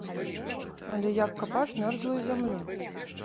Але як капаць мёрзлую зямлю?